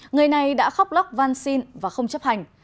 người này đã khóc lóc văn xin và không chấp hành